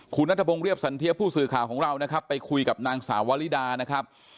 คุณนัทพงศ์เรียบสันเทียบผู้สื่อข่าวของเรานะครับไปคุยกับนางสาววลิดานะครับ